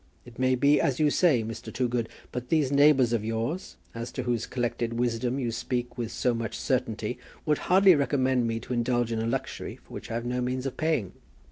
"It may be as you say, Mr. Toogood. But these neighbours of yours, as to whose collected wisdom you speak with so much certainty, would hardly recommend me to indulge in a luxury for which I have no means of paying."